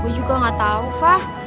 gue juga gak tahu fah